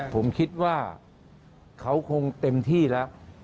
ผมคิดว่าเขาคงเต็มที่แล้ว